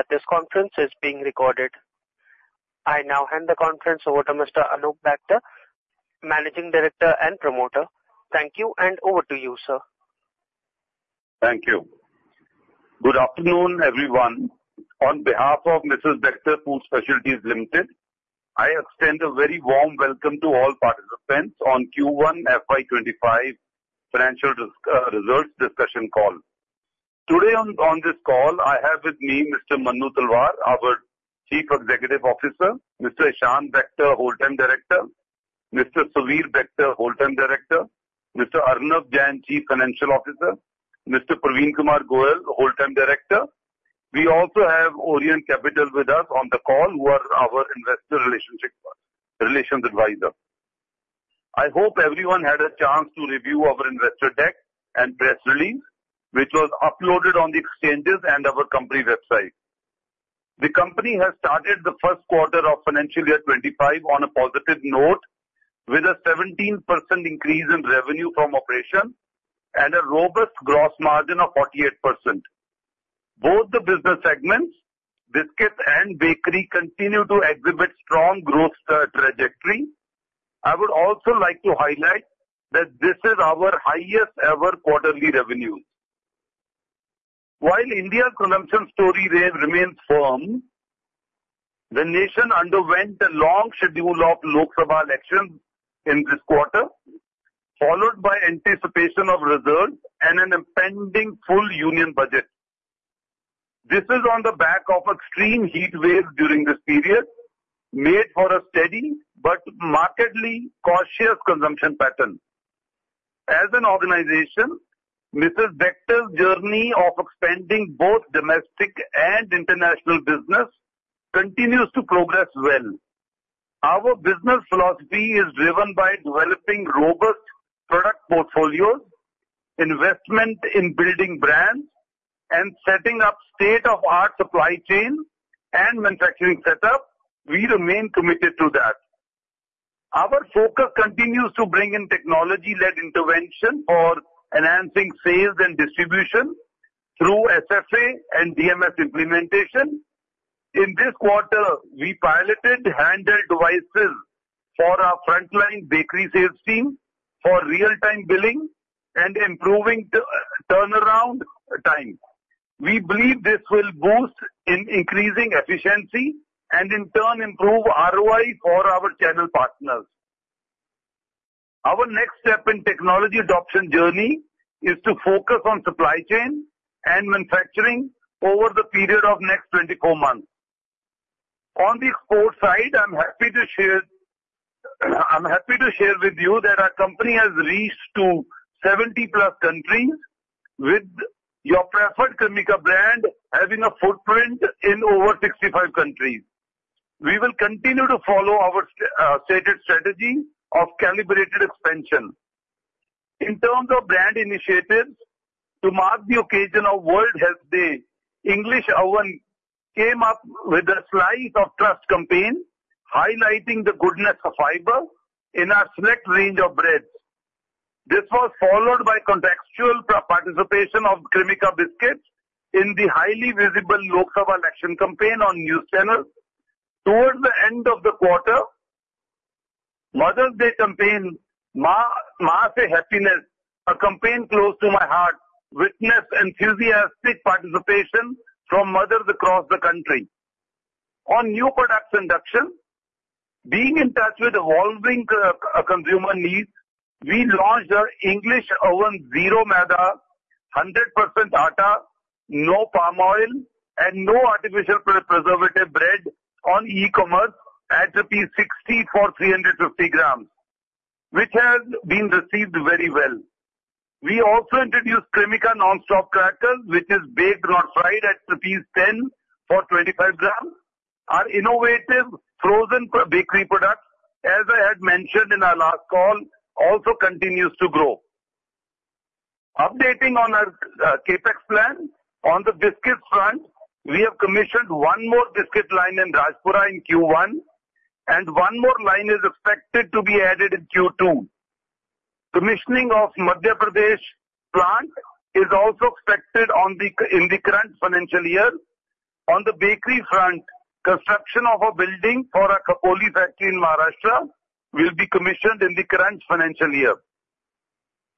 Note that this conference is being recorded. I now hand the conference over to Mr. Anoop Bector, Managing Director and Promoter. Thank you, and over to you, sir. Thank you. Good afternoon, everyone. On behalf of Mrs. Bectors Food Specialities Limited, I extend a very warm welcome to all participants on Q1 FY25 financial results discussion call. Today on this call, I have with me Mr. Manu Talwar, our Chief Executive Officer, Mr. Ishan Bector, Whole-Time Director, Mr. Suvir Bector, Whole-Time Director, Mr. Arnav Jain, Chief Financial Officer, Mr. Parveen Kumar Goel, Whole-Time Director. We also have Orient Capital with us on the call, who are our investor relations advisor. I hope everyone had a chance to review our investor deck and press release, which was uploaded on the exchanges and our company website. The company has started the first quarter of financial year 25 on a positive note, with a 17% increase in revenue from operation and a robust gross margin of 48%. Both the business segments, biscuits and bakery, continue to exhibit strong growth trajectory. I would also like to highlight that this is our highest ever quarterly revenue. While India's consumption story remains firm, the nation underwent a long schedule of Lok Sabha elections in this quarter, followed by anticipation of results and an impending full union budget. This is on the back of extreme heat waves during this period, made for a steady but markedly cautious consumption pattern. As an organization, Mrs. Bectors journey of expanding both domestic and international business continues to progress well. Our business philosophy is driven by developing robust product portfolios, investment in building brands, and setting up state-of-the-art supply chain and manufacturing setup. We remain committed to that. Our focus continues to bring in technology-led intervention for enhancing sales and distribution through SFA and DMS implementation. In this quarter, we piloted handheld devices for our frontline bakery sales team for real-time billing and improving turnaround time. We believe this will boost in increasing efficiency and in turn improve ROI for our channel partners. Our next step in technology adoption journey is to focus on supply chain and manufacturing over the period of next 24 months. On the export side, I'm happy to share, I'm happy to share with you that our company has reached to 70+ countries, with your preferred Cremica brand having a footprint in over 65 countries. We will continue to follow our stated strategy of calibrated expansion. In terms of brand initiatives, to mark the occasion of World Health Day, English Oven came up with a Slice of Trust campaign, highlighting the goodness of fiber in our select range of breads. This was followed by contextual participation of Cremica biscuits in the highly visible Lok Sabha election campaign on news channels. Towards the end of the quarter, Mother's Day campaign, Maa Se Happiness, a campaign close to my heart, witnessed enthusiastic participation from mothers across the country. On new product induction, being in touch with the evolving consumer needs, we launched our English Oven Zero Maida, 100% atta, no palm oil and no artificial preservative bread on e-commerce at rupees 60 for 350 grams, which has been received very well. We also introduced Cremica Non-Stop Crackers, which is baked, not fried, at rupees 10 for 25 grams. Our innovative frozen bakery products, as I had mentioned in our last call, also continues to grow. Updating on our CapEx plan, on the biscuits front, we have commissioned one more biscuit line in Rajpura in Q1, and one more line is expected to be added in Q2. Commissioning of Madhya Pradesh plant is also expected in the current financial year. On the bakery front, construction of a building for our Khopoli factory in Maharashtra will be commissioned in the current financial year.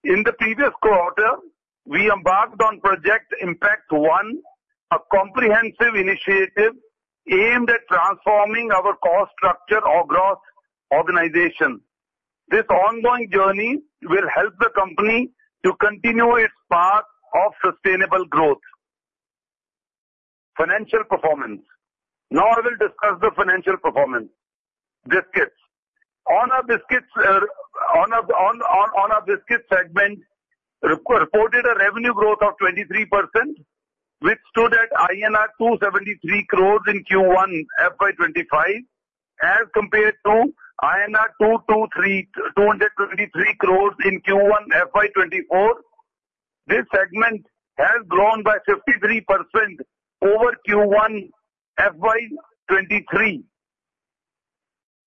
In the previous quarter, we embarked on Project Impact One, a comprehensive initiative aimed at transforming our cost structure across organization. This ongoing journey will help the company to continue its path of sustainable growth. Financial performance. Now, I will discuss the financial performance. Biscuits. On our biscuits segment, reported a revenue growth of 23%, which stood at INR 273 crores in Q1 FY 2025, as compared to 223 crores in Q1 FY 2024. This segment has grown by 53% over Q1 FY 2023....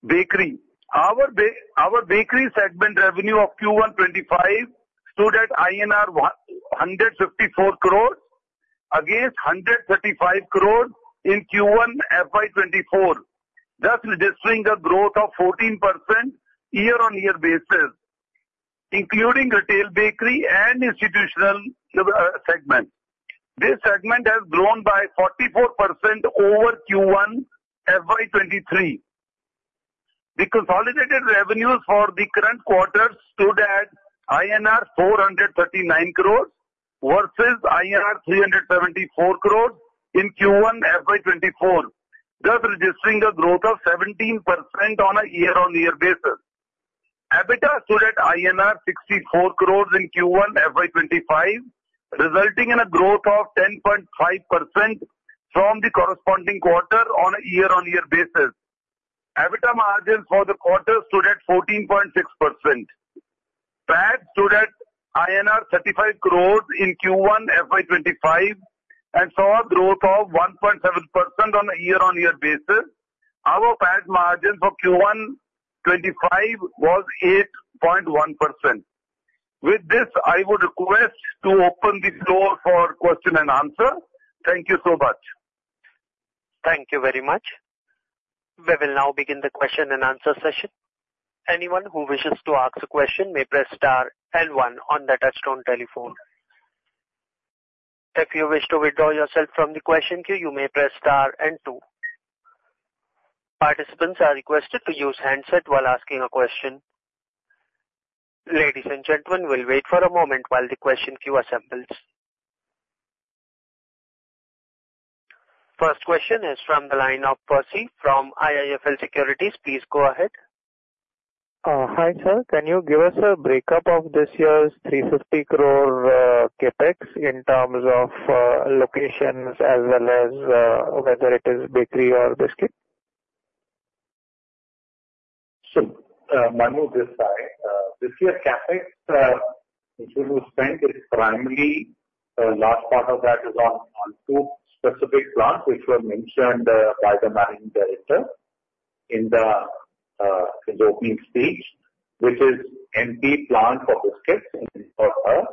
Bakery. Our bakery segment revenue of Q1 FY25 stood at INR 154 crores against 135 crores in Q1 FY24, thus registering a growth of 14% year-on-year basis, including retail bakery and institutional segment. This segment has grown by 44% over Q1 FY23. The consolidated revenues for the current quarter stood at INR 439 crores versus INR 374 crores in Q1 FY24, thus registering a growth of 17% on a year-on-year basis. EBITDA stood at INR 64 crores in Q1 FY25, resulting in a growth of 10.5% from the corresponding quarter on a year-on-year basis. EBITDA margin for the quarter stood at 14.6%. PAT stood at INR 35 crores in Q1 FY25 and saw a growth of 1.7% on a year-on-year basis. Our PAT margin for Q1 2025 was 8.1%. With this, I would request to open the floor for question and answer. Thank you so much. Thank you very much. We will now begin the question-and-answer session. Anyone who wishes to ask a question may press * and one on the touchtone telephone. If you wish to withdraw yourself from the question queue, you may press * and two. Participants are requested to use handset while asking a question. Ladies and gentlemen, we'll wait for a moment while the question queue assembles. First question is from the line of Percy from IIFL Securities. Please go ahead. Hi, sir. Can you give us a break-up of this year's 350 crore CapEx in terms of locations as well as whether it is bakery or biscuit? So, Manu this side. This year CapEx, which we will spend, is primarily, large part of that is on two specific plants, which were mentioned by the managing director in his opening speech, which is MP plant for biscuits in Indore,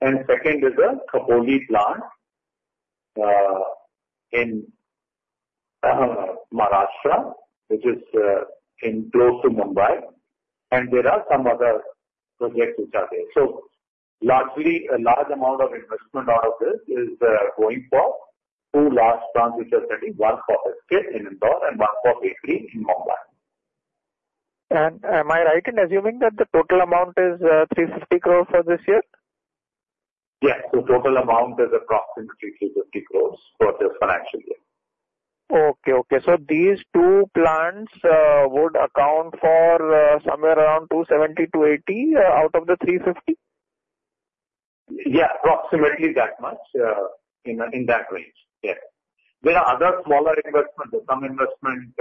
and second is a Khopoli plant in Maharashtra, which is close to Mumbai, and there are some other projects which are there. So largely, a large amount of investment out of this is going for two large plants which are sitting, one for biscuit in Indore and one for bakery in Mumbai. Am I right in assuming that the total amount is 350 crore for this year? Yes. The total amount is approximately 350 crore for this financial year. Okay. Okay. So these two plants would account for somewhere around 270-280 out of the 350? Yeah, approximately that much, in that range. Yes. There are other smaller investments. Some investment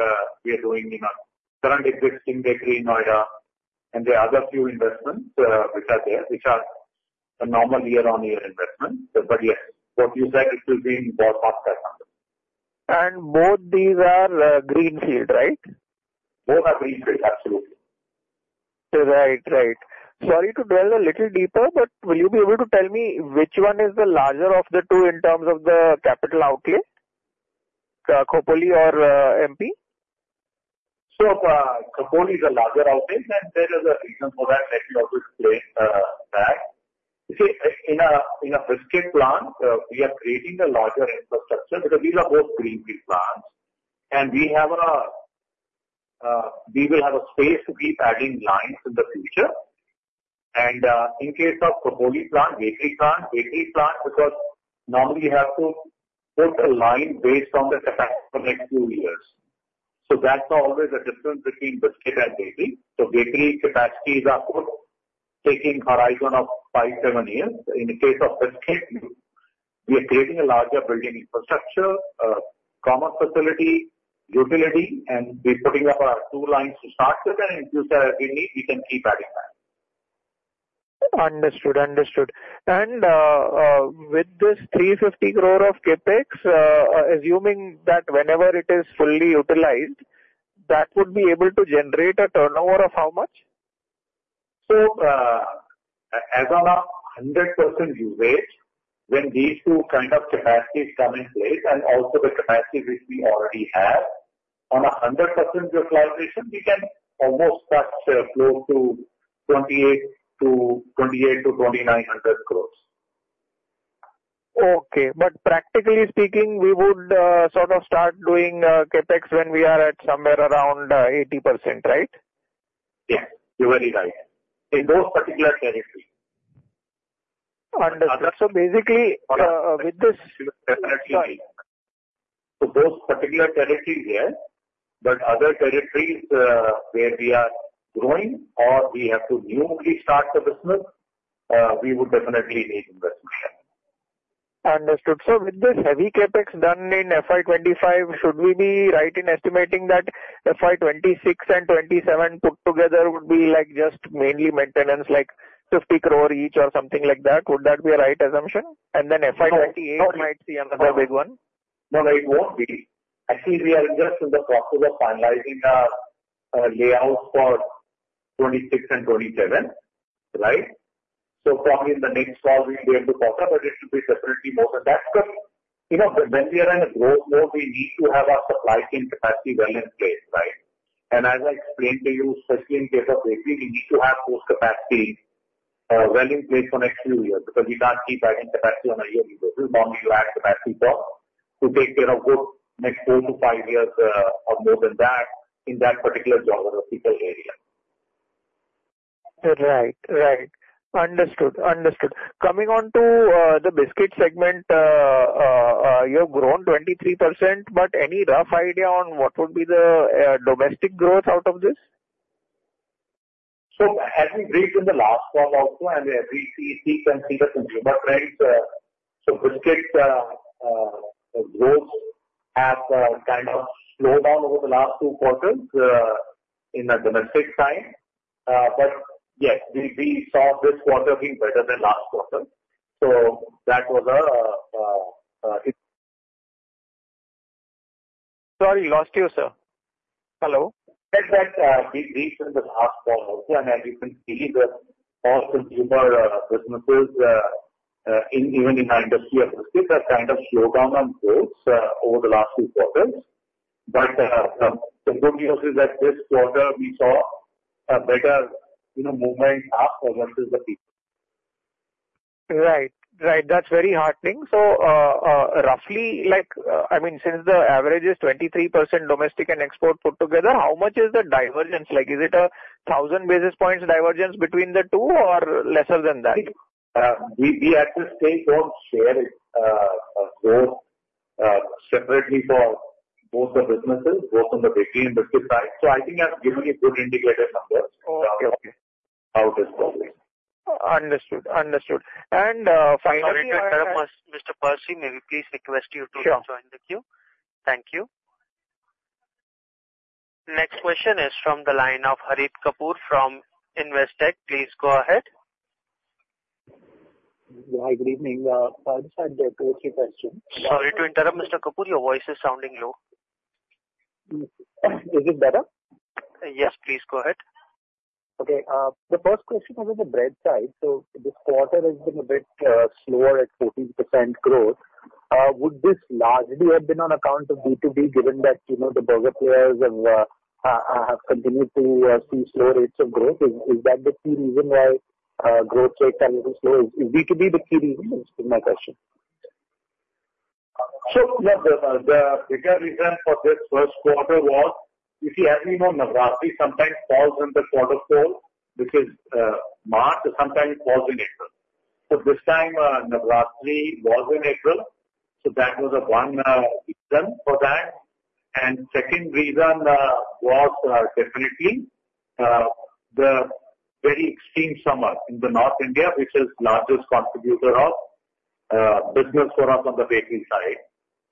we are doing in our current existing bakery in Noida, and there are other few investments, which are there, which are a normal year-on-year investment. But yes, what you said, it will be more of that number. And both these are greenfield, right? Both are greenfield, absolutely. Right. Right. Sorry to dwell a little deeper, but will you be able to tell me which one is the larger of the two in terms of the capital outlay, Khopoli or MP? So, Khopoli is a larger outing, and there is a reason for that, that we are also explaining, that. You see, in a biscuit plant, we are creating a larger infrastructure because these are both greenfield plants, and we will have a space to be adding lines in the future. And, in case of Khopoli plant, bakery plant, bakery plant, because normally you have to put a line based on the capacity for next two years. So that's always the difference between biscuit and bakery. So bakery capacities are put taking horizon of five, seven years. In the case of biscuit, we are creating a larger building infrastructure, common facility, utility, and we're putting up, two lines to start with, and if there is a need, we can keep adding that. Understood. Understood. And, with this 350 crore of CapEx, assuming that whenever it is fully utilized, that would be able to generate a turnover of how much? So, as on 100% usage, when these two kind of capacities come in place and also the capacity which we already have, on 100% utilization, we can almost touch close to 2,800 crore-2,900 crore. Okay. But practically speaking, we would sort of start doing CapEx when we are at somewhere around 80%, right? Yes, you're very right. In those particular territories. Understood. Other- So basically, with this- Definitely. So those particular territories, yes, but other territories, where we are growing or we have to newly start the business, we would definitely need investment. Understood. So with this heavy CapEx done in FY 25, should we be right in estimating that FY 26 and 27 put together would be like just mainly maintenance, like 50 crore each or something like that? Would that be a right assumption? And then FY 28- No. might be another big one. ...No, no, it won't be. Actually, we are just in the process of finalizing our layout for 26 and 27, right? So probably in the next call we'll be able to talk about it. It should be separately more than that, because, you know, when we are in a growth mode, we need to have our supply chain capacity well in place, right? And as I explained to you, especially in case of bakery, we need to have those capacity well in place for next few years, because we can't keep adding capacity on a yearly basis. Normally, you add capacity for to take care of good next 4-5 years, or more than that, in that particular geographical area. Right. Right. Understood. Understood. Coming on to the biscuit segment, you have grown 23%, but any rough idea on what would be the domestic growth out of this? So as we briefed in the last call also, and we obviously can see the consumer trends. So biscuits growth have kind of slowed down over the last two quarters in the domestic side. But yes, we saw this quarter being better than last quarter. So that was a it- Sorry, lost you, sir. Hello. Said that, we in the last call also, and as you can see, all consumer businesses in even in our industry of biscuits have kind of slowed down on growth over the last two quarters. But the good news is that this quarter we saw a better, you know, movement up versus the peak. Right. Right. That's very heartening. So, roughly like, I mean, since the average is 23% domestic and export put together, how much is the divergence? Like, is it a 1,000 basis points divergence between the two or less than that? We, we at this stage don't share it, so separately for both the businesses, both on the bakery and biscuit side. So I think I've given you good indicator numbers- Okay, okay. out this quarter. Understood. Understood. And, finally- Sorry to interrupt, Mr. Percy, may we please request you to- Sure. Join the queue? Thank you. Next question is from the line of Harit Kapoor from Investec. Please go ahead. Yeah, good evening, first I had two, three questions. Sorry to interrupt, Mr. Kapoor, your voice is sounding low. Is it better? Yes, please go ahead. Okay, the first question was on the bread side. So this quarter has been a bit slower at 14% growth. Would this largely have been on account of B2B, given that, you know, the burger players have continued to see slower rates of growth? Is that the key reason why growth rate is slow? Is B2B the key reason, is my question. So, the bigger reason for this first quarter was, you see, as we know, Navratri sometimes falls in the quarter four, which is, March, or sometimes it falls in April. So this time, Navratri falls in April, so that was the one reason for that. And second reason was, definitely, the very extreme summer in the North India, which is largest contributor of business for us on the bakery side.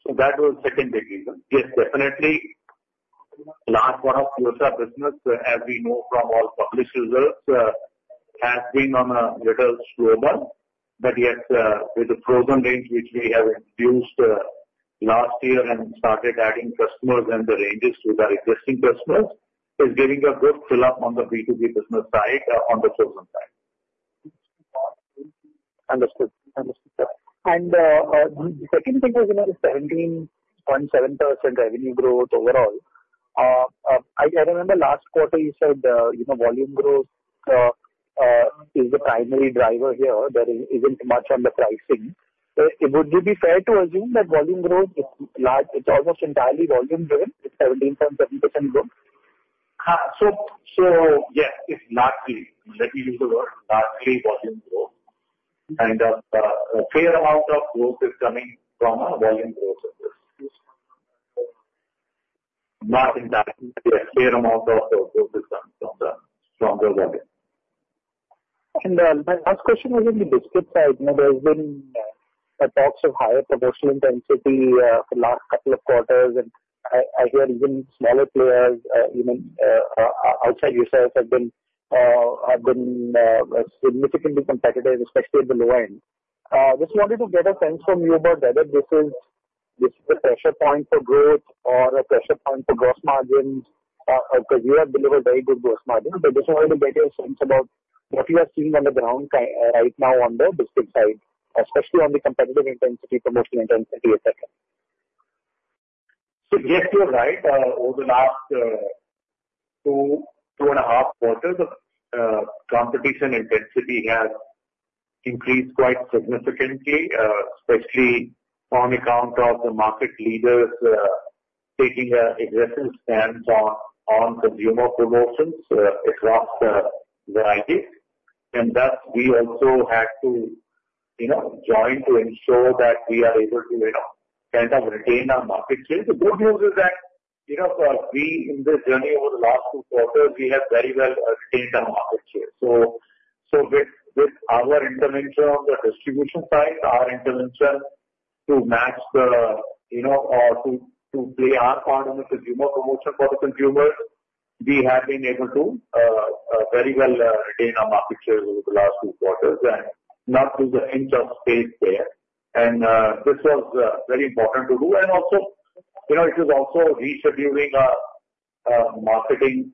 So that was second big reason. Yes, definitely, last one of closer business, as we know from all published results, has been on a little slower. But yes, with the frozen range which we have introduced last year and started adding customers and the ranges with our existing customers, is getting a good fill up on the B2B business side, on the frozen side. Understood. Understood. And, the second thing was, you know, 17.7% revenue growth overall. I remember last quarter you said, you know, volume growth is the primary driver here. There isn't much on the pricing. So would we be fair to assume that volume growth is large, it's almost entirely volume driven, it's 17.7% growth? So yes, it's largely, let me use the word, largely volume growth. Kind of, a fair amount of growth is coming from a volume growth of this. Not exactly, a fair amount of the growth has come from the volume. My last question was on the biscuit side. You know, there's been talks of higher promotional intensity for last couple of quarters. And I hear even smaller players, even outside yourself, have been significantly competitive, especially at the low end. Just wanted to get a sense from you about whether this is the pressure point for growth or a pressure point for gross margins, because you have delivered very good gross margin. But just wanted to get a sense about what you are seeing on the ground right now on the biscuit side, especially on the competitive intensity, promotional intensity, et cetera. So yes, you're right. Over the last 2.5 quarters, competition intensity has increased quite significantly, especially on account of the market leaders taking an aggressive stance on consumer promotions across varieties. Thus, we also had to, you know, join to ensure that we are able to, you know, kind of retain our market share. The good news is that, you know, for us, we in this journey over the last 2 quarters, we have very well retained our market share. So with our intervention on the distribution side, our intervention to match the, you know, to play our part in the consumer promotion for the consumers, we have been able to-... very well, retain our market share over the last two quarters, and not lose an inch of space there. And, this was, very important to do. And also, you know, it is also rescheduling our, marketing,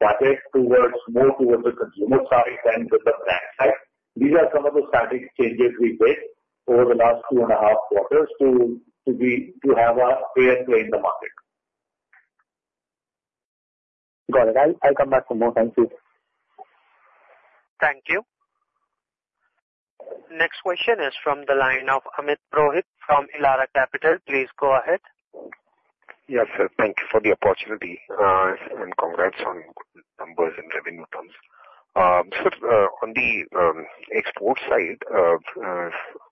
budget towards more towards the consumer side than with the brand side. These are some of the static changes we made over the last two and a half quarters to have a fair play in the market. Got it. I'll, I'll come back for more. Thank you. Thank you. Next question is from the line of Amit Purohit from Elara Capital. Please go ahead. Yes, sir. Thank you for the opportunity, and congrats on good numbers in revenue terms. So, on the export side,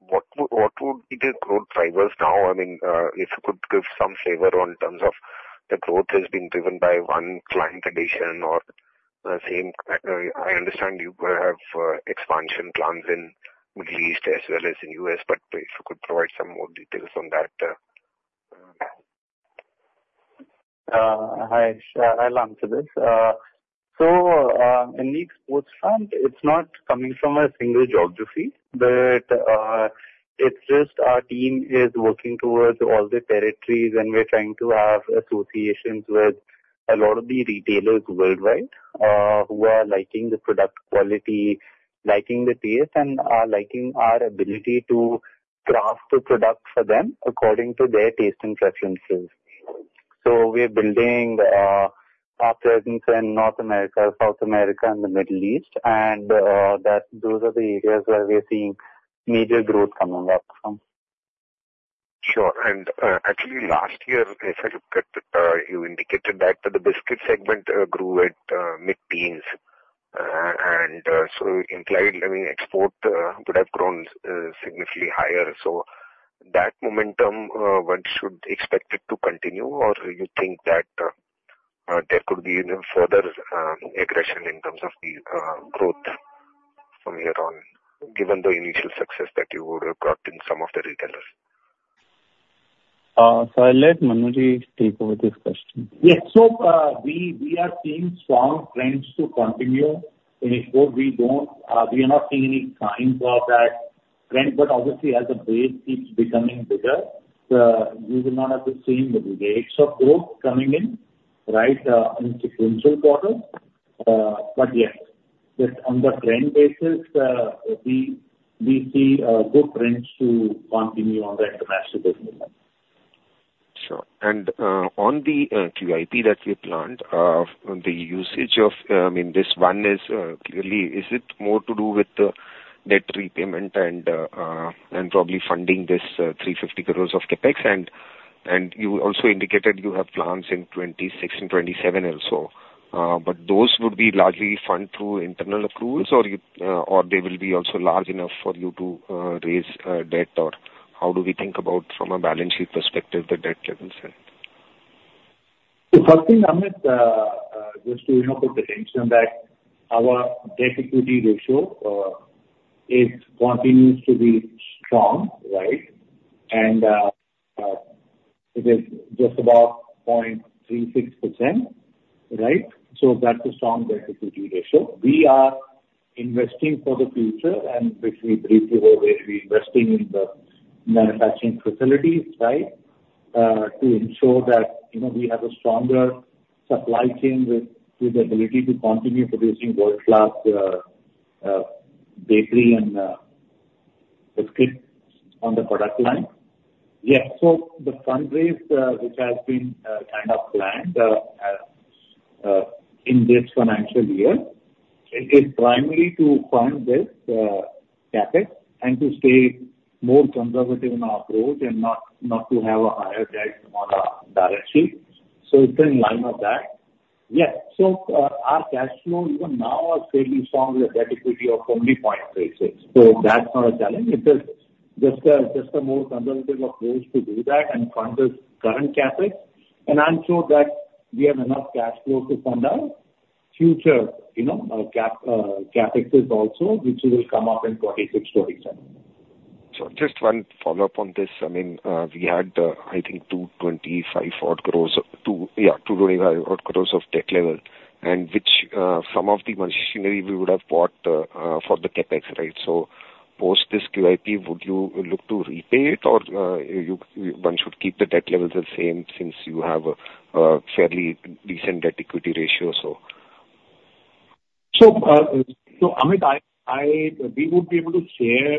what would, what would be the growth drivers now? I mean, if you could give some flavor on terms of the growth is being driven by one client addition or the same I understand you will have, expansion plans in Middle East as well as in U.S., but if you could provide some more details on that. Hi, I'll answer this. So, in the exports front, it's not coming from a single geography, but it's just our team is working towards all the territories, and we're trying to have associations with a lot of the retailers worldwide, who are liking the product quality, liking the taste, and are liking our ability to craft a product for them according to their taste and preferences. So we are building our presence in North America, South America and the Middle East, and that, those are the areas where we are seeing major growth coming up from. Sure. And actually, last year, if I look at, you indicated that the biscuit segment grew at mid-teens. And so implied, I mean, export could have grown significantly higher. So that momentum, one should expect it to continue, or you think that there could be even further aggression in terms of the growth from here on, given the initial success that you would have got in some of the retailers? I'll let Manu Ji take over this question. Yes. So, we are seeing strong trends to continue in export. We don't... We are not seeing any signs of that trend, but obviously as the base keeps becoming bigger, you will not have the same rates of growth coming in, right, in sequential quarters. But yes, just on the trend basis, we see good trends to continue on the international business. Sure. And, on the QIP that you planned, the usage of in this one is clearly, is it more to do with the debt repayment and probably funding this 350 crore of CapEx? And, you also indicated you have plans in 2026 and 2027 also. But those would be largely funded through internal accruals, or you or they will be also large enough for you to raise debt, or how do we think about from a balance sheet perspective, the debt level side? The first thing, Amit, just to, you know, put the attention that our debt-to-equity ratio is continues to be strong, right? And it is just about 0.36%, right? So that's a strong debt-to-equity ratio. We are investing for the future, and which we briefed you already, we're investing in the manufacturing facilities, right, to ensure that, you know, we have a stronger supply chain with the ability to continue producing world-class bakery and biscuits on the product line. Yeah. So the fundraise, which has been kind of planned in this financial year, it is primarily to fund this CapEx and to stay more conservative in our approach, and not to have a higher debt on our balance sheet. So it's in line with that. Yeah. Our cash flow even now are fairly strong, with a debt equity of only 0.36. So that's not a challenge. It is just a, just a more conservative approach to do that and fund this current CapEx. I'm sure that we have enough cash flow to fund our future, you know, cap, CapExes also, which will come up in 2026, 2027. So just one follow-up on this. I mean, we had, I think 225 crore odd of debt level, and which, some of the machinery we would have bought, for the CapEx, right? So post this QIP, would you look to repay it or, one should keep the debt levels the same, since you have a, fairly decent debt equity ratio, so. So, so Amit, I, we would be able to share.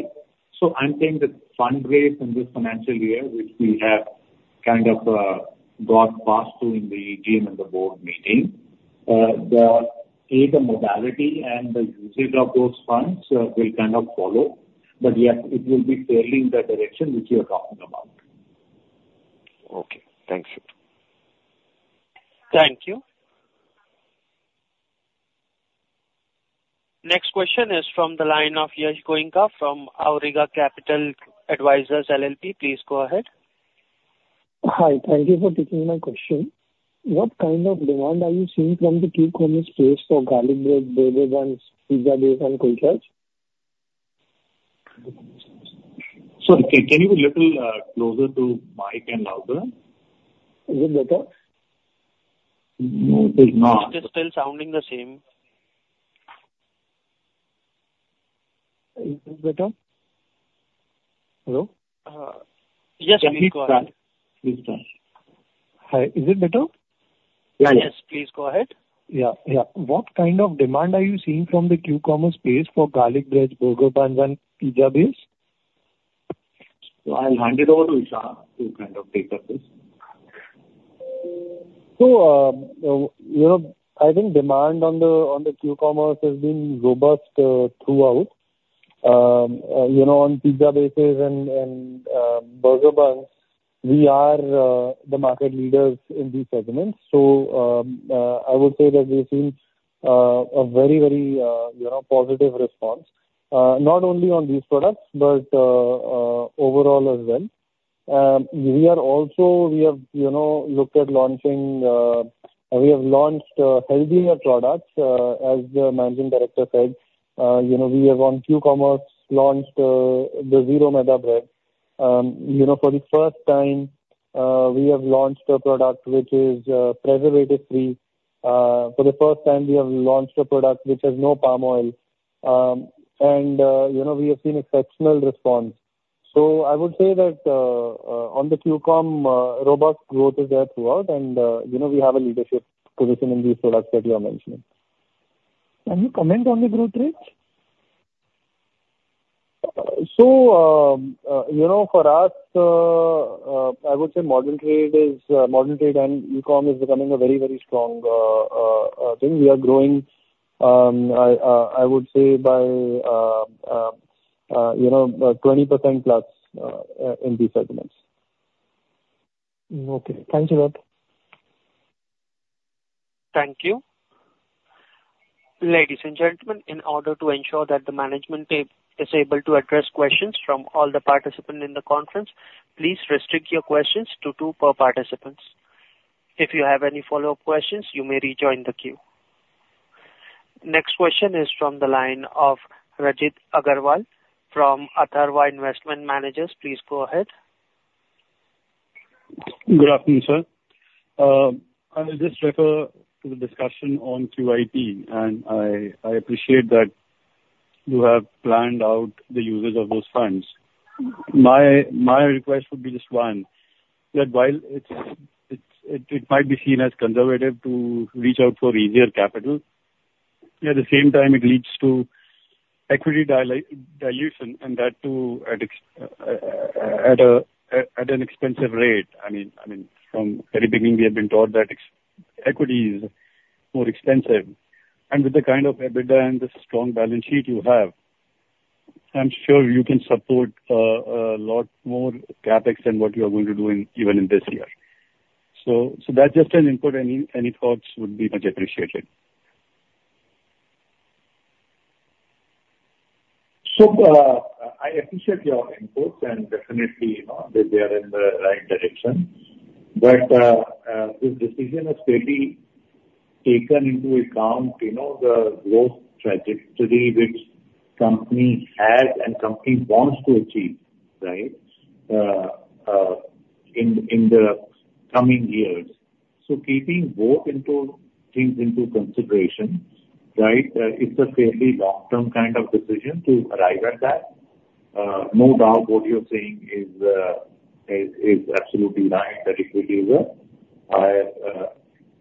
So I'm saying the fundraise in this financial year, which we have kind of got passed through in the team and the board meeting, the modality and the usage of those funds will kind of follow. But yes, it will be fairly in the direction which you are talking about. Okay. Thanks, sir. Thank you. Next question is from the line of Yash Goenka from Auriga Capital Advisors LLP. Please go ahead. Hi. Thank you for taking my question. What kind of demand are you seeing from the Q-commerce space for garlic bread, breaded buns, pizza base, and kulchas?... Sorry, can you be a little closer to mic and louder? Is it better? No, it is not. It is still sounding the same. Is this better? Hello? Yes, please go ahead. Please start. Hi. Is it better? Yes, please go ahead. Yeah, yeah. What kind of demand are you seeing from the Q-commerce space for garlic bread, burger buns and pizza base? I'll hand it over to Ishan to kind of take up this. So, you know, I think demand on the Q-commerce has been robust throughout. You know, on pizza bases and burger buns, we are the market leaders in these segments, so I would say that we've seen a very, very you know, positive response not only on these products, but overall as well. We have launched healthier products, as the managing director said. You know, we have on Q-commerce launched the zero maida bread. You know, for the first time, we have launched a product which is preservative-free. For the first time, we have launched a product which has no palm oil. And you know, we have seen exceptional response. So I would say that, on the Q-com, robust growth is there throughout and, you know, we have a leadership position in these products that you are mentioning. Can you comment on the growth rates? You know, for us, I would say modern trade and e-com is becoming a very, very strong thing. We are growing. I would say by you know 20%+ in these segments. Okay, thanks a lot. Thank you. Ladies and gentlemen, in order to ensure that the management is able to address questions from all the participants in the conference, please restrict your questions to two per participants. If you have any follow-up questions, you may rejoin the queue. Next question is from the line of Rajit Agarwal from Atharva Investment Managers. Please go ahead. Good afternoon, sir. I will just refer to the discussion on QIP, and I appreciate that you have planned out the usage of those funds. My request would be just one, that while it's it might be seen as conservative to reach out for easier capital, at the same time, it leads to equity dilution, and that too, at an expensive rate. I mean, from very beginning, we have been told that equity is more expensive, and with the kind of EBITDA and the strong balance sheet you have, I'm sure you can support a lot more CapEx than what you are going to do in even in this year. So that's just an input. Any thoughts would be much appreciated. So, I appreciate your inputs and definitely know that they are in the right direction, but this decision has fairly taken into account, you know, the growth trajectory which company has and company wants to achieve, right, in the coming years. So keeping both things into consideration, right, it's a fairly long-term kind of decision to arrive at that. No doubt what you're saying is absolutely right, that equity is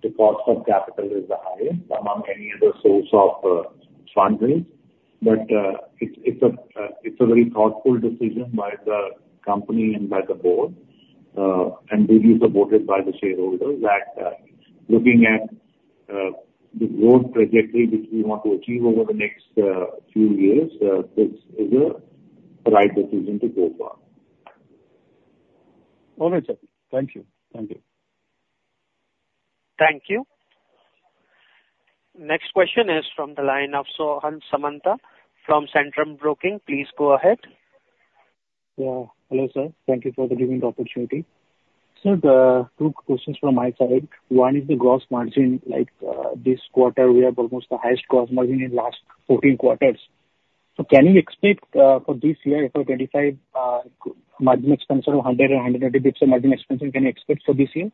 the cost of capital is the highest among any other source of funding. But it's a very thoughtful decision by the company and by the board, and will be supported by the shareholders, that looking at the growth trajectory which we want to achieve over the next few years, this is the right decision to go for. All right, sir. Thank you. Thank you. Thank you. Next question is from the line of Sohan Samanta from Centrum Broking. Please go ahead. Yeah. Hello, sir, thank you for giving the opportunity. So, two questions from my side. One is the gross margin. Like, this quarter, we have almost the highest gross margin in last 14 quarters. So can you expect, for this year, for 25, margin expansion of 100 or 180 basis points margin expansion, can you expect for this year?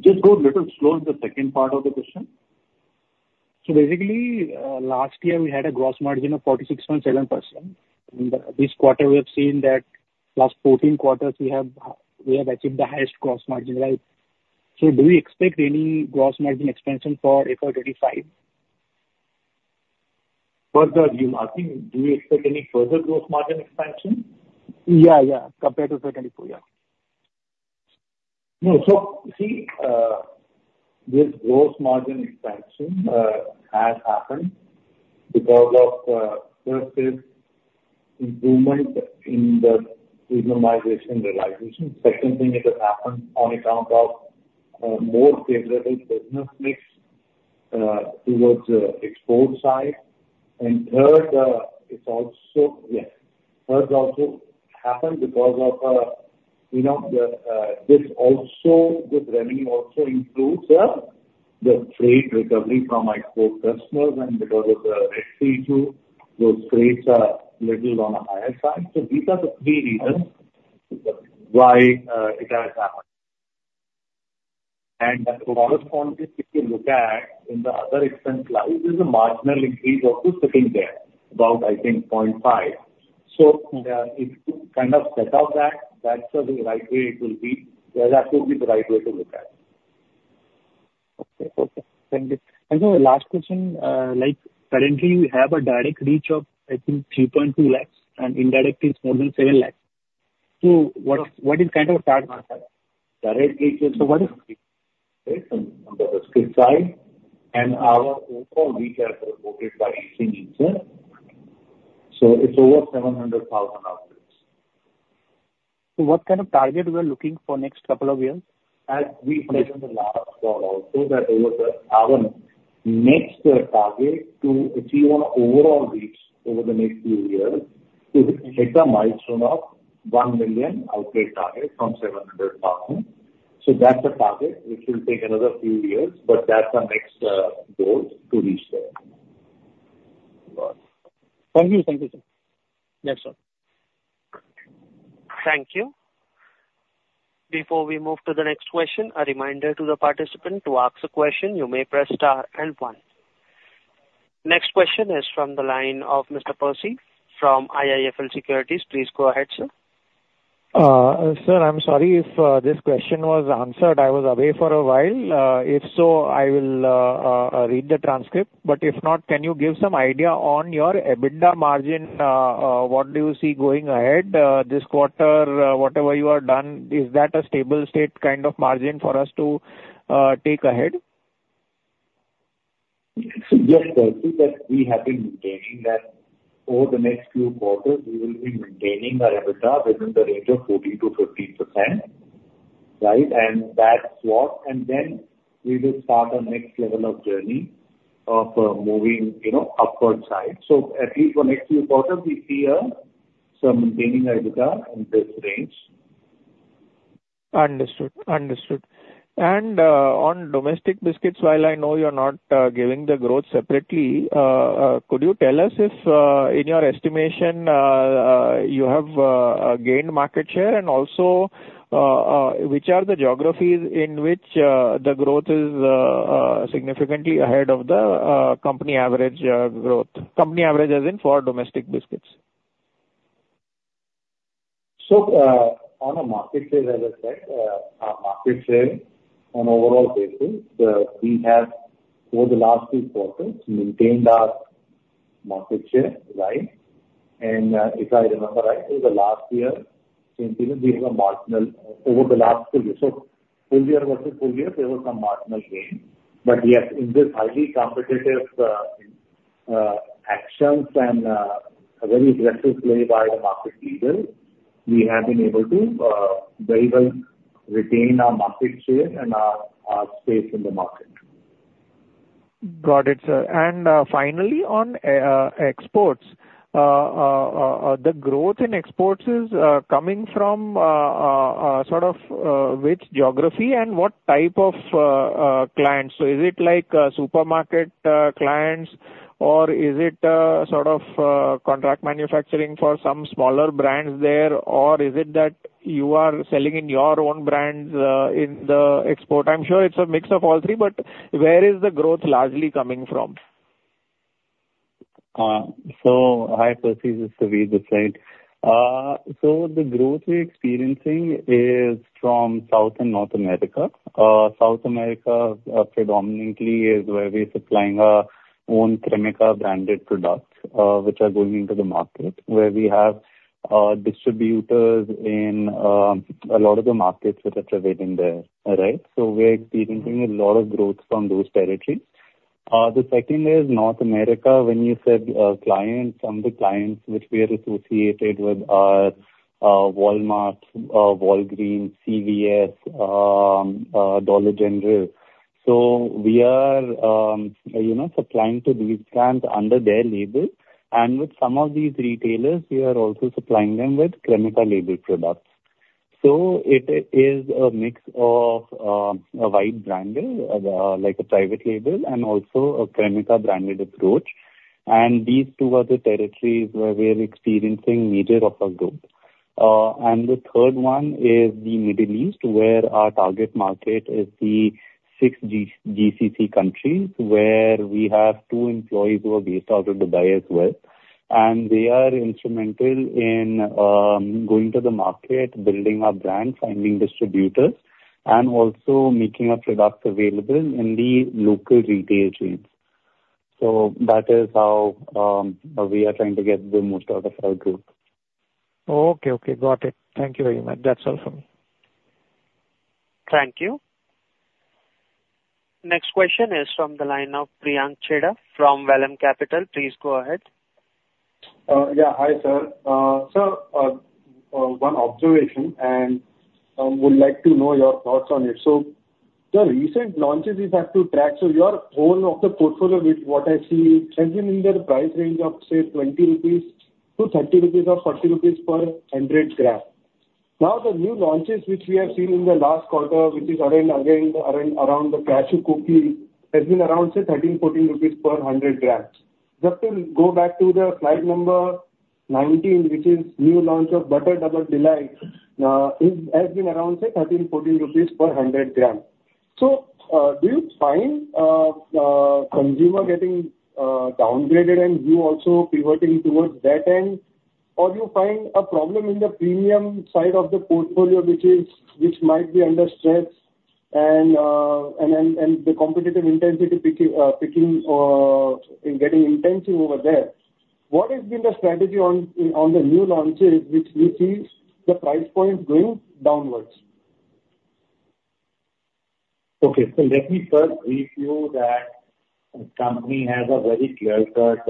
Just go a little slow on the second part of the question. So basically, last year, we had a gross margin of 46.7%. But this quarter, we have seen that last 14 quarters, we have achieved the highest gross margin, right? So do we expect any gross margin expansion for fiscal 2025? Further, you are asking, do you expect any further gross margin expansion? Yeah, yeah, compared to fiscal 2024, yeah. No. So, see, this gross margin expansion has happened because of, first is improvement in the premiumization realization. Second thing, it has happened on account of, more favorable business mix towards the export side. And third, it's also. Third also happened because of, you know, this revenue also includes the freight recovery from our core customers, and because of the Red Sea too, those freights are little on a higher side. So these are the three reasons why it has happened. And the corresponding, if you look at in the other expense line, there's a marginal increase also sitting there, about I think 0.5. So, if you kind of set out that, that's the right way it will be. Yeah, that will be the right way to look at it. Okay. Okay, thank you. So the last question, like, currently you have a direct reach of, I think, 3.2 lakhs and indirectly it's more than 7 lakhs. So what, what is Directly- What is it? It's on the side, and our overall reach are supported by uncertain itself, so it's over 700,000 outlets. What kind of target we are looking for next couple of years? As we mentioned the last call also, that over the next few years, our next target to achieve on an overall reach is to hit a milestone of 1 million outlet target from 700,000. So that's the target, which will take another few years, but that's our next goal to reach there. Got it. Thank you. Thank you, sir. That's all. Thank you. Before we move to the next question, a reminder to the participant, to ask a question, you may press star and one. Next question is from the line of Mr. Percy from IIFL Securities. Please go ahead, sir. Sir, I'm sorry if this question was answered. I was away for a while. If so, I will read the transcript. But if not, can you give some idea on your EBITDA margin, what do you see going ahead, this quarter, whatever you have done, is that a stable state kind of margin for us to take ahead? So yes, Percy, that we have been maintaining that over the next few quarters, we will be maintaining our EBITDA within the range of 14%-15%. Right? And that slot, and then we will start our next level of journey of, moving, you know, upward side. So at least for next few quarters, we see, some maintaining EBITDA in this range. Understood. Understood. And, on domestic biscuits, while I know you're not giving the growth separately, could you tell us if, in your estimation, you have gained market share? And also, which are the geographies in which the growth is significantly ahead of the company average growth? Company average, as in for domestic biscuits. So, on a market share, as I said, our market share on overall basis, we have over the last few quarters maintained our market share, right? And, if I remember right, over the last year, since we have a marginal over the last full year, so full year versus full year, there was some marginal gain. But yes, in this highly competitive, actions and, very aggressive play by the market leaders, we have been able to, very well retain our market share and our, our space in the market. Got it, sir. And finally, on exports. The growth in exports is coming from sort of which geography and what type of clients? So is it like supermarket clients, or is it sort of contract manufacturing for some smaller brands there? Or is it that you are selling in your own brands in the export? I'm sure it's a mix of all three, but where is the growth largely coming from? So hi, Percy, this Sabeer Hussain. So the growth we're experiencing is from South and North America. South America, predominantly is where we're supplying our own Cremica branded products, which are going into the market, where we have distributors in a lot of the markets which are trading there, right? So we're experiencing a lot of growth from those territories. The second is North America. When you said clients, some of the clients which we are associated with are Walmart, Walgreens, CVS, Dollar General. So we are, you know, supplying to these clients under their label. And with some of these retailers, we are also supplying them with Cremica label products. So it is a mix of a white branding, like a private label and also a Cremica branded approach. These two are the territories where we are experiencing majority of our growth. The third one is the Middle East, where our target market is the six GCC countries, where we have two employees who are based out of Dubai as well. They are instrumental in going to the market, building our brand, finding distributors, and also making our products available in the local retail chains. That is how we are trying to get the most out of our growth. Okay, okay. Got it. Thank you very much. That's all for me. Thank you. Next question is from the line of Priyank Chheda from Vallum Capital. Please go ahead. Yeah. Hi, sir. So, one observation, and would like to know your thoughts on it. So-... The recent launches we've had to track, so your whole of the portfolio with what I see has been in the price range of, say, INR 20-INR 30 or INR 40 per 100 gram. Now, the new launches which we have seen in the last quarter, which is around, again, the cashew cookie, has been around, say, INR 13-INR 14 per 100 grams. Just to go back to the slide number 19, which is new launch of Butter Double Delight, is, has been around, say, 13-14 rupees per 100 gram. So, do you find consumer getting downgraded and you also pivoting towards that end? Or do you find a problem in the premium side of the portfolio, which is, which might be under stress and, and then, and the competitive intensity picking, picking, and getting intensive over there. What has been the strategy on the new launches, which we see the price point going downwards? Okay. So let me first brief you that the company has a very clear-cut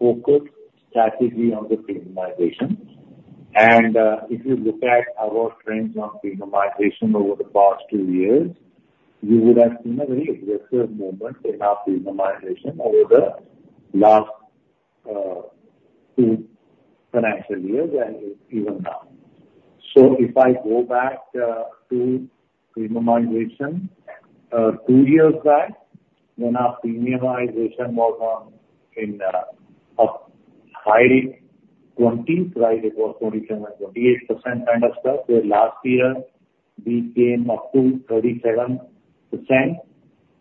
focus strategy on the premiumization. And if you look at our trends on premiumization over the past two years, you would have seen a very aggressive movement in our premiumization over the last two financial years and even now. So if I go back to premiumization two years back, when our premiumization was on in a high twenties, right, it was 27%-28% kind of stuff, where last year we came up to 37%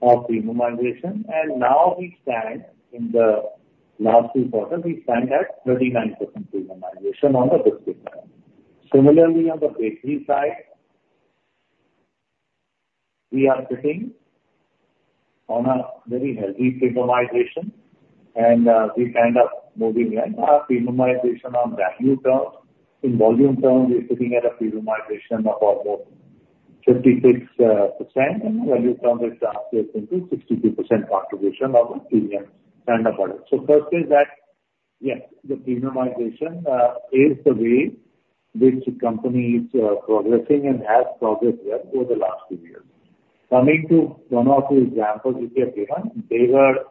of premiumization, and now we stand in the last two quarters, we stand at 39% premiumization on the biscuit side. Similarly, on the bakery side, we are sitting on a very healthy premiumization and we kind of moving in. Our premiumization on value terms, in volume terms, we're sitting at a premiumization of almost 56%, and value terms it translates into 62% contribution of the premium kind of product. So first is that, yes, the premiumization is the way which the company is progressing and has progressed well over the last two years. Coming to one or two examples which you have given, they were,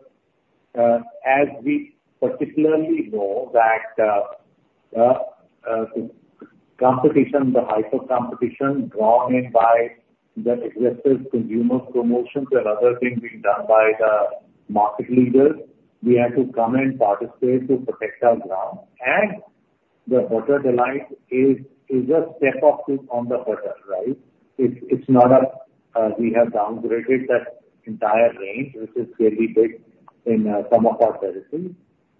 as we particularly know, that, competition, the hyper competition drawn in by the aggressive consumer promotions and other things being done by the market leaders, we have to come and participate to protect our ground. And the Butter Delight is, is a step of this on the butter, right? It's, it's not that, we have downgraded that entire range, which is fairly big in, some of our territories.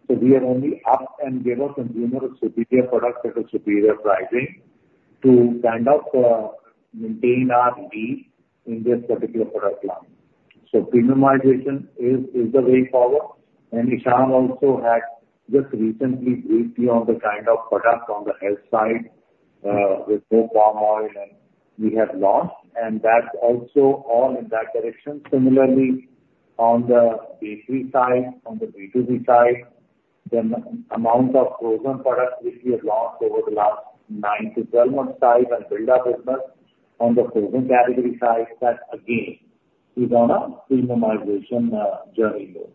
So we are only up and give a consumer a superior product at a superior pricing to kind of, maintain our lead in this particular product line. So premiumization is the way forward. And Ishan also had just recently briefed you on the kind of product on the health side, with no palm oil, and we have launched, and that's also all in that direction. Similarly, on the bakery side, on the B2B side, the amount of frozen products which we have launched over the last 9-12 months time and build our business on the frozen category side, that again, is on a premiumization journey though.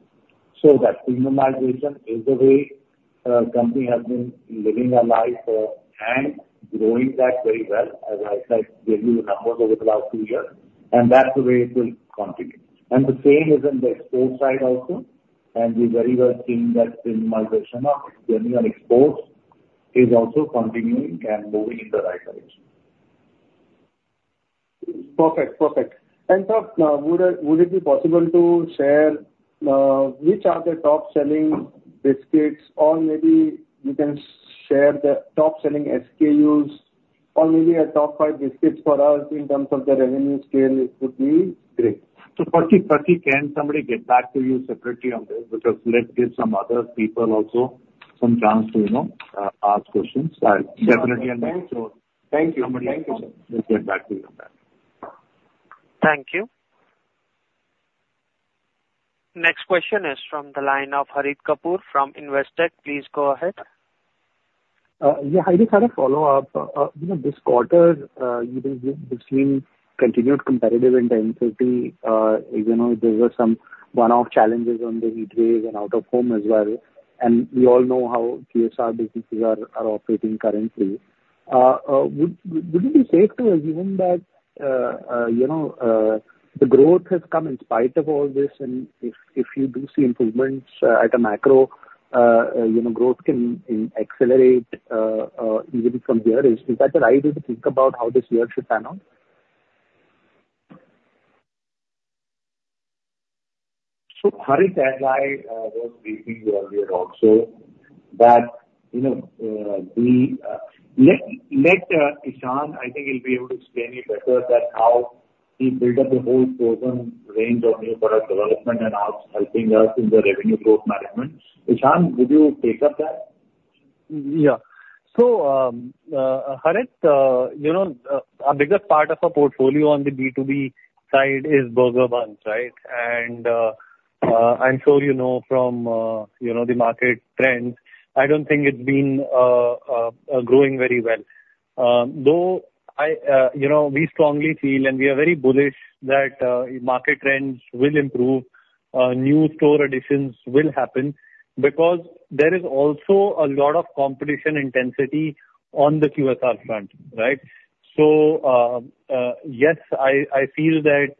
So that premiumization is the way, company has been living our life, and growing that very well, as I said, gave you the numbers over the last two years, and that's the way it will continue. And the same is in the export side also, and we're very well seeing that premiumization of journey on exports is also continuing and moving in the right direction. Perfect. Perfect. And sir, would it be possible to share which are the top-selling biscuits or maybe you can share the top-selling SKUs or maybe a top five biscuits for us in terms of the revenue scale? It would be great. So Percy, Percy, can somebody get back to you separately on this? Because let's give some other people also some chance to, you know, ask questions. I definitely understand, so- Thank you. Thank you. Somebody will get back to you on that. Thank you. Next question is from the line of Harit Kapoor from Investec. Please go ahead. Yeah, I just had a follow-up. You know, this quarter, you've been between continued competitive intensity. You know, there were some one-off challenges on the heatwaves and out-of-home as well. And we all know how TSR businesses are operating currently. Would it be safe to assume that, you know, the growth has come in spite of all this, and if you do see improvements at a macro, you know, growth can accelerate even from here? Is that the right way to think about how this year should pan out? So Harit, as I was briefing earlier also, that, you know, the... Let Ishan, I think he'll be able to explain it better, that how he built up the whole frozen range of new product development and are helping us in the revenue growth management. Ishan, would you take up that? Yeah. So, Harit, you know, our biggest part of our portfolio on the B2B side is burger buns, right? And ... I'm sure you know from, you know, the market trends, I don't think it's been growing very well. Though I, you know, we strongly feel and we are very bullish that market trends will improve, new store additions will happen because there is also a lot of competition intensity on the QSR front, right? So, yes, I feel that,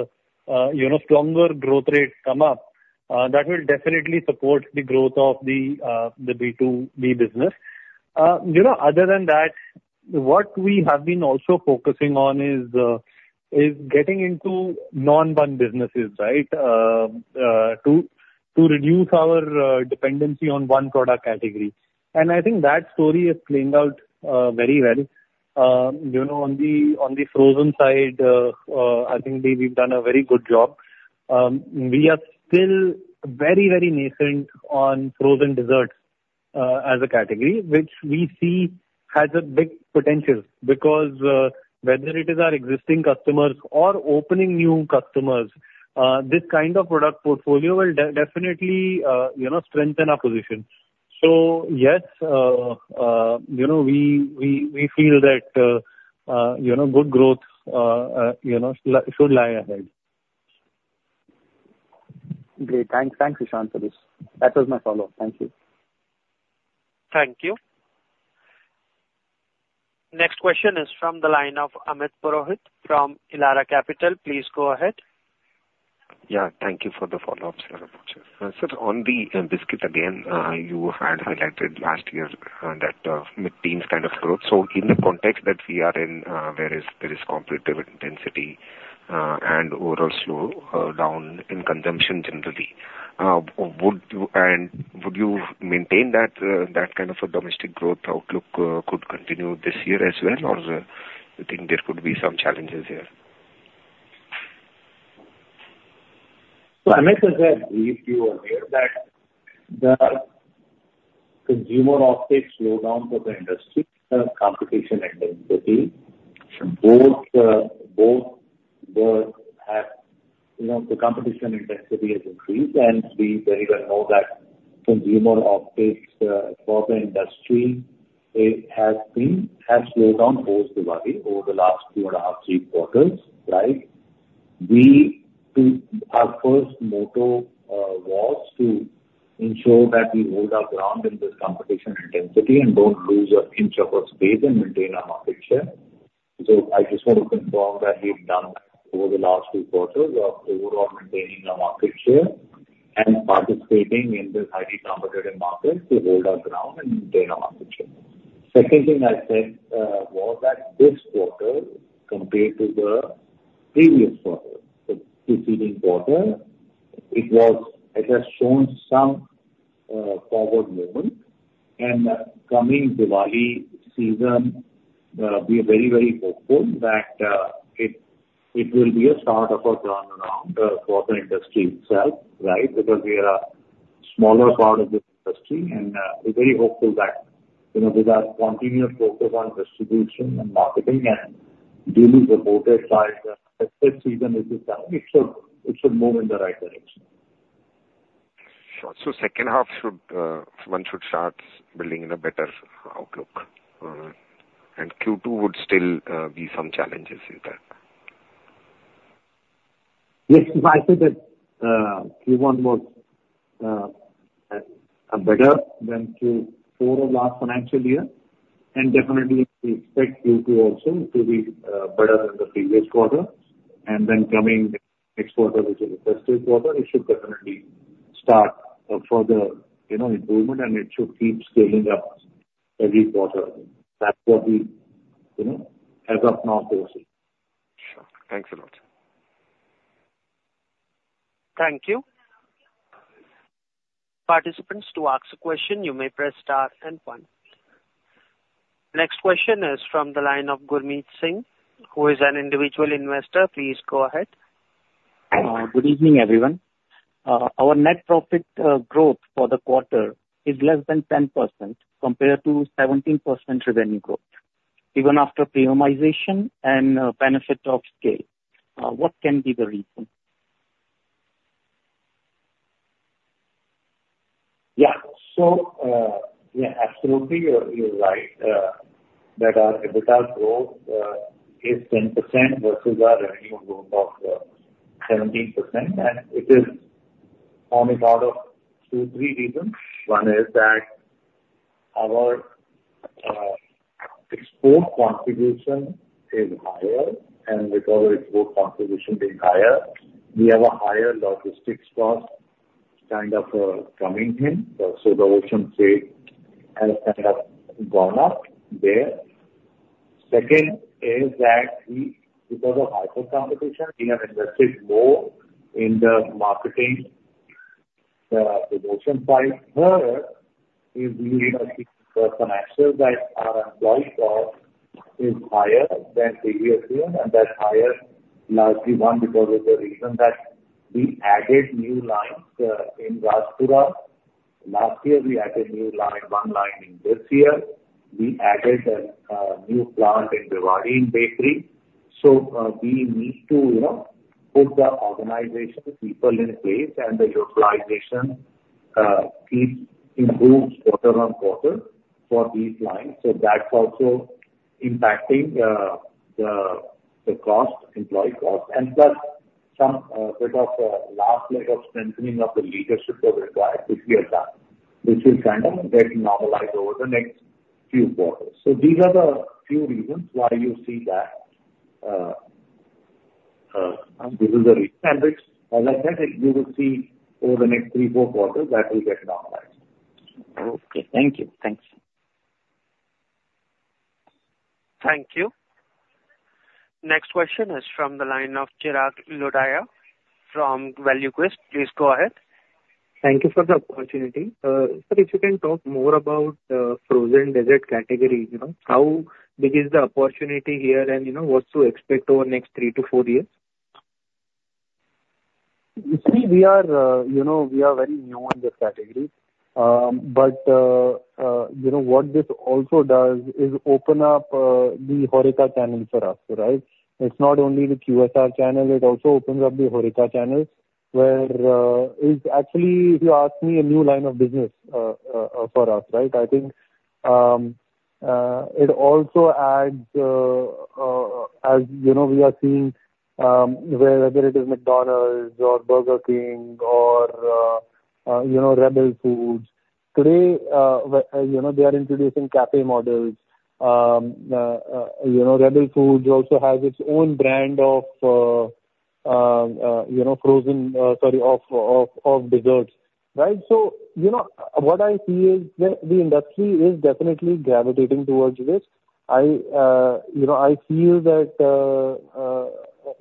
as you know, stronger growth rates come up, that will definitely support the growth of the B2B business. You know, other than that, what we have been also focusing on is getting into non-bun businesses, right, to reduce our dependency on one product category. And I think that story has played out very well. You know, on the frozen side, I think we've done a very good job. We are still very, very nascent on frozen desserts as a category, which we see has a big potential because whether it is our existing customers or opening new customers, this kind of product portfolio will definitely, you know, strengthen our position. So, yes, you know, we feel that good growth should lie ahead. Great! Thanks. Thanks, Sushant, for this. That was my follow-up. Thank you. Thank you. Next question is from the line of Amit Purohit from Elara Capital. Please go ahead. Yeah, thank you for the follow-up, Sir. Sir, on the biscuits again, you had highlighted last year that mid-teens kind of growth. So in the context that we are in, where there is competitive intensity and overall slowdown in consumption generally, would you and would you maintain that kind of a domestic growth outlook could continue this year as well, or you think there could be some challenges here? So, Amit, as I briefed you earlier that the consumer offtake slowdown for the industry, competition intensity, both, both the, have, you know, the competition intensity has increased, and we very well know that consumer offtake, for the industry, it has been, has slowed down post-Diwali over the last 2.5-3 quarters, right? Our first motto was to ensure that we hold our ground in this competition intensity and don't lose an inch of our space and maintain our market share. So I just want to confirm that we've done over the last few quarters of overall maintaining our market share and participating in this highly competitive market to hold our ground and maintain our market share. Second thing I said was that this quarter, compared to the previous quarter, the preceding quarter, it was, it has shown some forward movement. And coming Diwali season, we are very, very hopeful that it, it will be a start of a turnaround for the industry itself, right? Because we are a smaller part of this industry, and we're very hopeful that, you know, with our continuous focus on distribution and marketing and duly supported by the festival season this time, it should, it should move in the right direction. Sure. So second half should, one should start building in a better outlook, and Q2 would still be some challenges in that? Yes, if I say that, Q1 was a better than Q4 of last financial year, and definitely we expect Q2 also to be better than the previous quarter, and then coming next quarter, which is the festival quarter, it should definitely start a further, you know, improvement, and it should keep scaling up every quarter. That's what we, you know, as of now, foresee. Sure. Thanks a lot. Thank you. Participants, to ask a question, you may press star and one. Next question is from the line of Gurmeet Singh, who is an individual investor. Please go ahead. Good evening, everyone. Our net profit growth for the quarter is less than 10% compared to 17% revenue growth, even after premiumization and benefit of scale. What can be the reason? Yeah. So, yeah, absolutely, you're, you're right, that our EBITDA growth is 10% versus our revenue growth of 17%. It is on account of two, three reasons. One is that our export contribution is higher, and with our export contribution being higher, we have a higher logistics cost kind of coming in, so the ocean freight has kind of gone up there. Second is that we, because of hyper competition, we have invested more in the marketing promotion part. Third is, you know, for financial, that our employee cost is higher than previous year, and that's higher largely, one, because of the reason that we added new lines in Rajpura. Last year, we added new line, one line. In this year, we added a new plant in Bhiwadi in bakery. So, we need to, you know, put the organization people in place and the utilization keeps improves quarter on quarter for these lines. So that's also impacting the cost, employee cost. And plus, some bit of last layer of strengthening of the leadership that required, which we have done. This is random, that normalize over the next few quarters. So these are the few reasons why you see that this is the reason. And like I said, you will see over the next 3-4 quarters, that will get normalized. Okay. Thank you. Thanks. Thank you. Next question is from the line of Chirag Lodaya from ValueQuest. Please go ahead. Thank you for the opportunity. Sir, if you can talk more about the frozen dessert category, you know, how big is the opportunity here, and, you know, what to expect over the next 3-4 years? You see, we are, you know, we are very new in this category. But, you know, what this also does is open up, the HORECA channel for us, right? It's not only the QSR channel, it also opens up the HORECA channel, where, it's actually, if you ask me, a new line of business, for us, right? I think, it also adds, as you know, we are seeing, whether it is McDonald's or Burger King or, you know, Rebel Foods. Today, you know, they are introducing cafe models. You know, Rebel Foods also has its own brand of, frozen, sorry, of desserts, right? So, you know, what I see is the industry is definitely gravitating towards this. I, you know, I feel that,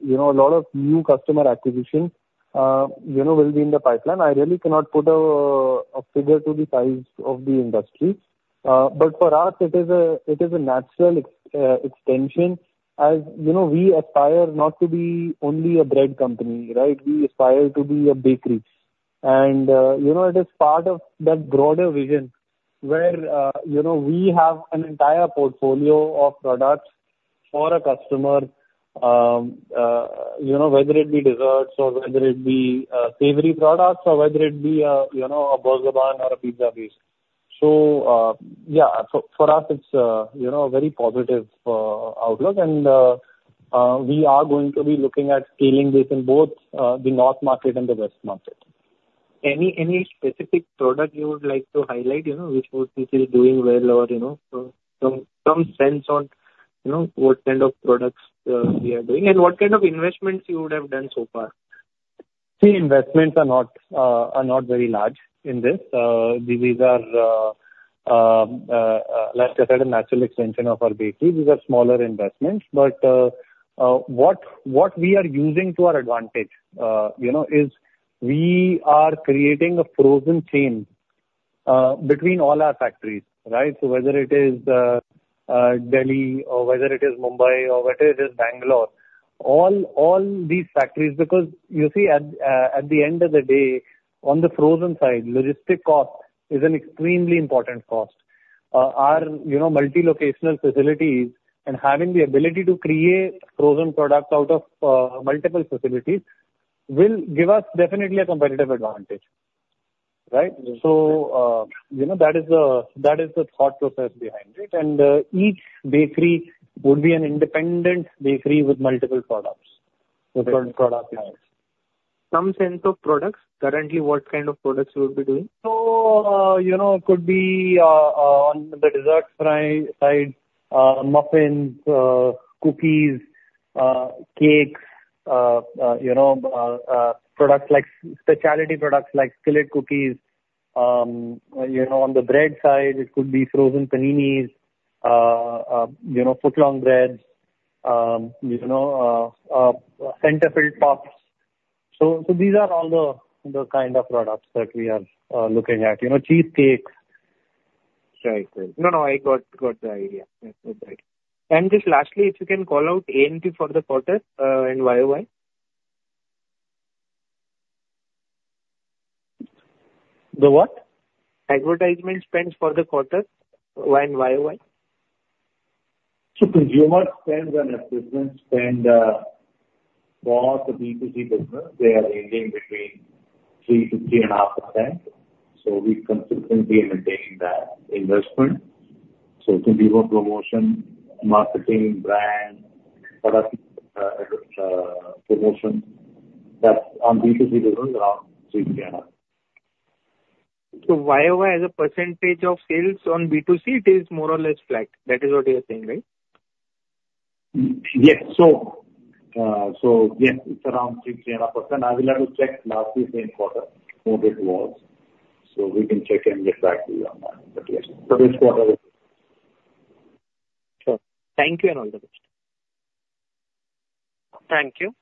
you know, a lot of new customer acquisition, you know, will be in the pipeline. I really cannot put a, a figure to the size of the industry. But for us, it is a, it is a natural extension, as, you know, we aspire not to be only a bread company, right? We aspire to be a bakery. And, you know, it is part of that broader vision where, you know, we have an entire portfolio of products for a customer, you know, whether it be desserts or whether it be, savory products or whether it be, you know, a burger bun or a pizza base. So, yeah, for, for us, it's, you know, a very positive, outlook. We are going to be looking at scaling this in both the north market and the west market. Any specific product you would like to highlight, you know, which is doing well? Or, you know, so some sense on, you know, what kind of products we are doing and what kind of investments you would have done so far? See, investments are not very large in this. These are, like I said, a natural extension of our bakery. These are smaller investments, but what we are using to our advantage, you know, is we are creating a frozen chain between all our factories, right? So whether it is Delhi or whether it is Mumbai or whether it is Bangalore, all these factories. Because you see, at the end of the day, on the frozen side, logistic cost is an extremely important cost. Our, you know, multi-locational facilities and having the ability to create frozen products out of multiple facilities will give us definitely a competitive advantage, right? Mm-hmm. So, you know, that is the thought process behind it. And each bakery would be an independent bakery with multiple products, different product lines. Some sense of products, currently, what kind of products you would be doing? So, you know, it could be on the desserts side, muffins, cookies, cakes, you know, products like specialty products like Skillet Cookies. You know, on the bread side, it could be frozen Paninis, you know, foot-long breads, you know, center-filled tops. So, these are all the kind of products that we are looking at. You know, cheesecakes. Right. No, no, I got the idea. That's right. And just lastly, if you can call out A&P for the quarter, and YOY. The what? Advertisement spends for the quarter and YOY. So consumer spends and investment spend for the B2C business, they are ranging between 3%-3.5%, so we're consistently maintaining that investment. So it can be more promotion, marketing, brand, product, promotion that's on B2C business around 3.5%. YOY, as a percentage of sales on B2C, it is more or less flat. That is what you're saying, right? Yes. So, so yes, it's around 3%-3.5%. I will have to check last year same quarter what it was, so we can check and get back to you on that, but yes. Sure. Thank you, and all the best. Thank you.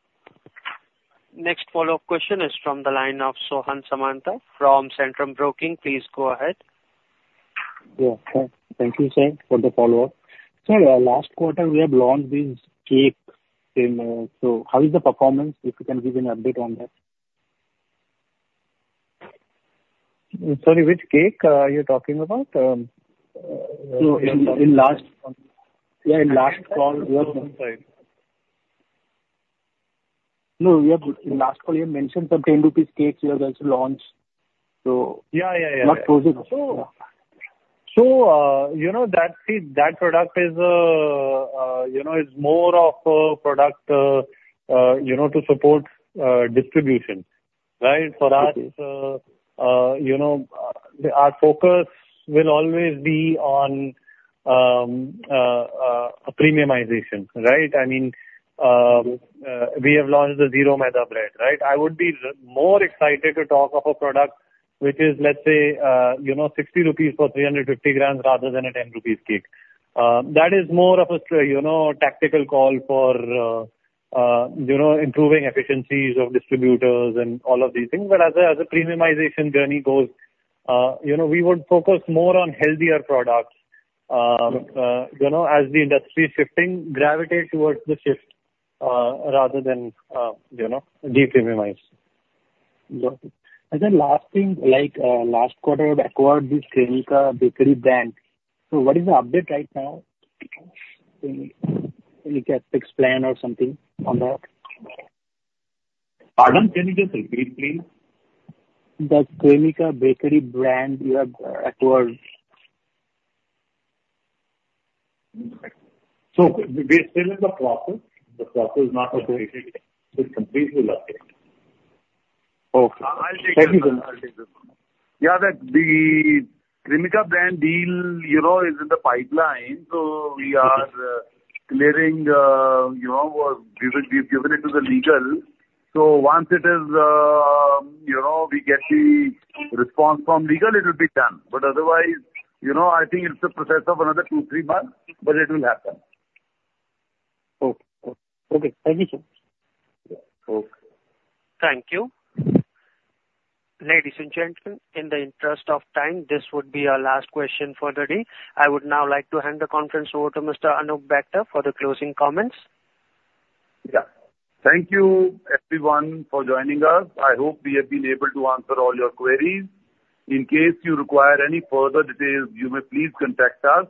Next follow-up question is from the line of Sohan Samanta from Centrum Broking. Please go ahead.... Yeah. Thank you, sir, for the follow-up. Sir, last quarter, we have launched this cake in, so how is the performance? If you can give an update on that. Sorry, which cake are you talking about? So in last, yeah, in last call- No, we have. Last call, you mentioned some 10 rupees cakes you have also launched, so- Yeah, yeah, yeah. Not frozen. So, you know, that, see, that product is, you know, to support distribution, right? Okay. For us, you know, our focus will always be on, premiumization, right? I mean, we have launched the zero maida bread, right? I would be more excited to talk of a product which is, let's say, you know, 60 rupees for 350 grams rather than a 10 rupees cake. That is more of a, you know, tactical call for, you know, improving efficiencies of distributors and all of these things. But as a, as a premiumization journey goes, you know, we would focus more on healthier products, you know, as the industry is shifting gravitate towards the shift, rather than, you know, de-premiumize. Got it. And then last thing, like, last quarter you acquired this Cremica Bakery brand. So what is the update right now? Any fixed plan or something on that? Pardon? Can you just repeat, please? The Cremica Bakery brand you have acquired. So we still in the process. The process is not completed. It's completely okay. Okay. I'll take this one. Thank you so much. I'll take this one. Yeah, the Cremica brand deal, you know, is in the pipeline, so we are clearing, you know, we've given it to the legal. So once it is, you know, we get the response from legal, it'll be done. But otherwise, you know, I think it's a process of another 2-3 months, but it will happen. Okay. Okay. Thank you, sir. Okay. Thank you. Ladies and gentlemen, in the interest of time, this would be our last question for the day. I would now like to hand the conference over to Mr. Anoop Bector for the closing comments. Yeah. Thank you everyone for joining us. I hope we have been able to answer all your queries. In case you require any further details, you may please contact us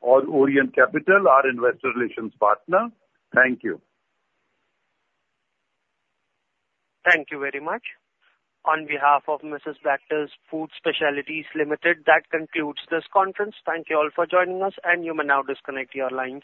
or Orient Capital, our investor relations partner. Thank you. Thank you very much. On behalf of Mrs. Bectors Food Specialities Limited, that concludes this conference. Thank you all for joining us, and you may now disconnect your lines.